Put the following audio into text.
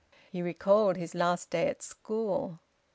He recalled his last day at school.